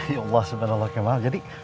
ya allah subhanallah kemal